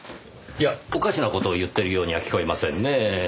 いやおかしな事を言ってるようには聞こえませんね。